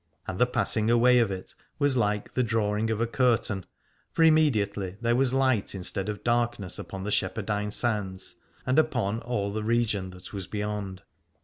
And the passing away of it was like the drawing of a curtain, for immediately there was light instead of darkness upon the Shepherdine Sands and upon all the region that was beyond.